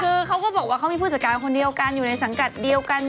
คือเขาก็บอกว่าเขามีผู้จัดการคนเดียวกันอยู่ในสังกัดเดียวกัน